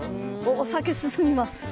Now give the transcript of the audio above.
お酒進みます。